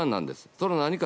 それは何か。